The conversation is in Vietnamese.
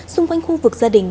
xung quanh khu vực gia đình